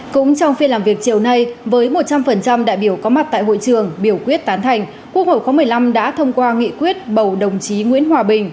cũng trong phiên làm việc chiều nay với một trăm linh đại biểu có mặt tại hội trường biểu quyết tán thành quốc hội khóa một mươi năm đã thông qua nghị quyết bầu đồng chí nguyễn hòa bình